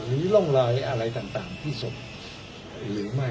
ร่องรอยอะไรต่างที่ศพหรือไม่